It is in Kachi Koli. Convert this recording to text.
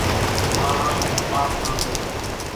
ماڻۿان اين نين پاپ ۿمزي سي۔